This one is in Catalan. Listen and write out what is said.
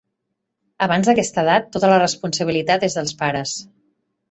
Abans d'aquesta edat, tota la responsabilitat és dels pares.